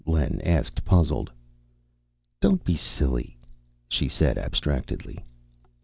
Len asked, puzzled. "Don't be silly," she said abstractedly.